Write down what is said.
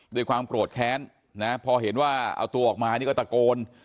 ด้วยความโกรธแค้นนะพอเห็นว่าเอาตัวออกมานี่ก็ตะโกน